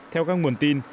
theo các nguồn tin